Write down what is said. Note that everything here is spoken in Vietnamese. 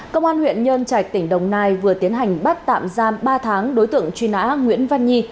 công an huyện nhân trạch tỉnh đồng nai vừa tiến hành bắt tạm giam ba tháng đối tượng truy nã nguyễn văn nhi